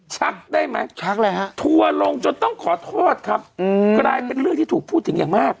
ชักได้ไหมชักเลยฮะทัวร์ลงจนต้องขอโทษครับกลายเป็นเรื่องที่ถูกพูดถึงอย่างมาก